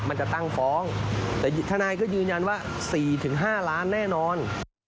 มันจะตั้งฟ้องแต่ทนายก็ยืนยันว่า๔๕ล้านแน่นอน